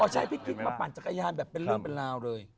ใช่พี่กิ๊กมาปั่นจักรยานแบบเป็นเรื่องเป็นราวเลย